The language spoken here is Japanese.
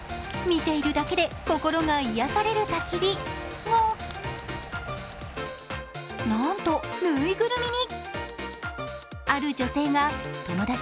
見ているだけで心やが癒される、たき火がなんと、ぬいぐるみに。